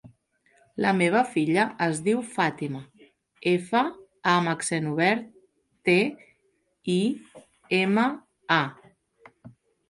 La meva filla es diu Fàtima: efa, a amb accent obert, te, i, ema, a.